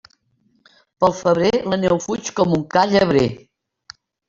Pel febrer, la neu fuig com un ca llebrer.